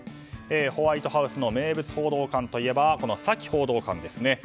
ホワイトハウスの名物報道官といえばサキ報道官ですね。